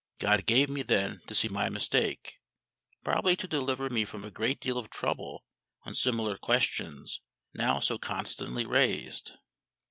GOD gave me then to see my mistake, probably to deliver me from a great deal of trouble on similar questions now so constantly raised.